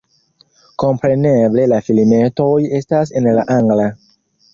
Kompreneble la filmetoj estas en la angla.